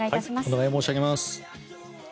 お願い申し上げます。